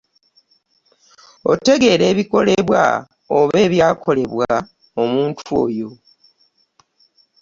Otegeera ebikolebwa oba ebyakolebwa omuntu Oyo